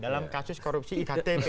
dalam kasus korupsi iktp